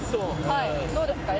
はいどうですか？